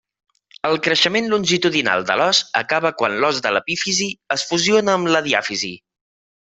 El creixement longitudinal de l'os acaba quan l'os de l'epífisi es fusiona amb la diàfisi.